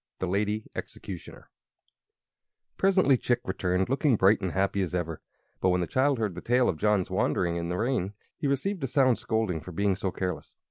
The Lady Executioner Presently Chick returned, looking bright and happy as ever; but when the child heard the tale of John's wanderings in the rain he received a sound scolding for being so careless.